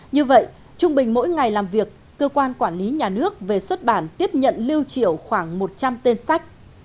như vậy trung bình mỗi ngày làm việc cơ quan quản lý nhà nước về xuất bản tiếp nhận lưu triểu khoảng một trăm linh tên sách